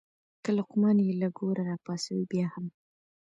که لقمان یې له ګوره راپاڅوې بیا هم.